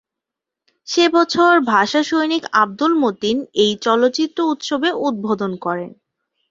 সে বছর ভাষা সৈনিক আব্দুল মতিন এই চলচ্চিত্র উৎসবের উদ্বোধন করেন।